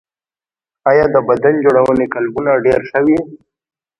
آیا د بدن جوړونې کلبونه ډیر شوي؟